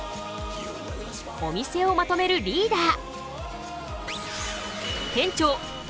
お店をまとめるリーダー！